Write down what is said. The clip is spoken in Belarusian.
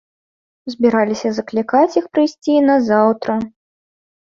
Збіраліся заклікаць іх прыйсці назаўтра.